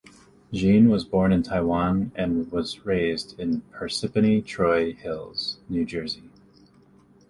Jean was born in Taiwan and was raised in Parsippany-Troy Hills, New Jersey.